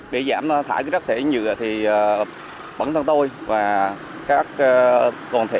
để giảm thải rác thải nhựa thì bản thân tôi và các cộng thể